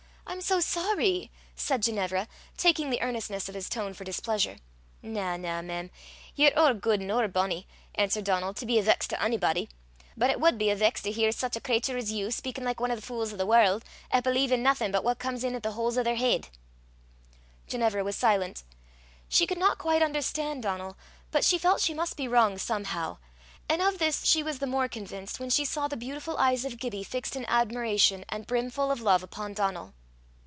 I'm so sorry!" said Ginevra, taking the earnestness of his tone for displeasure. "Na, na, mem. Ye're ower guid an' ower bonnie," answered Donal, "to be a vex to onybody; but it wad be a vex to hear sic a cratur as you speykin' like ane o' the fules o' the warl', 'at believe i' naething but what comes in at the holes i' their heid." Ginevra was silent. She could not quite understand Donal, but she felt she must be wrong somehow; and of this she was the more convinced when she saw the beautiful eyes of Gibbie fixed in admiration, and brimful of love, upon Donal.